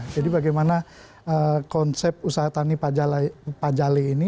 jadi bagaimana konsep usaha tani pajale ini